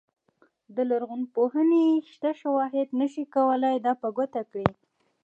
د لرغونپوهنې شته شواهد نه شي کولای دا په ګوته کړي.